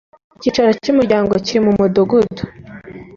icyicaro cy umuryango kiri mu mudugudu.